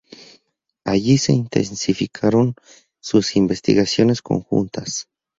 Allí intensificaron sus investigaciones conjuntas.